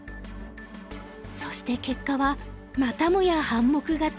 そして結果はまたもや半目勝ち。